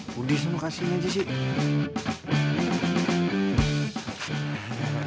budi semua kasih aja sih